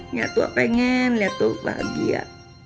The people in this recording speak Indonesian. nyatua pengen lihat tuh bahagia